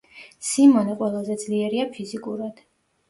სიმონე ყველაზე ძლიერია ფიზიკურად.